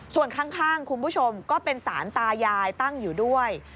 ส่วนข้างคุณผู้ชมก็เป็นสารตายายตั้งอยู่ด้วย